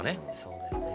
そうだよね。